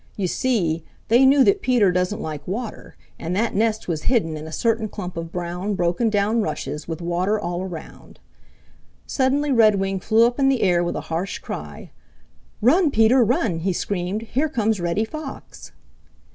You see, they knew that Peter doesn't like water, and that nest was hidden in a certain clump of brown, broken down rushes, with water all around. Suddenly Redwing flew up in the air with a harsh cry. "Run, Peter! Run!" he screamed. "Here comes Reddy Fox!"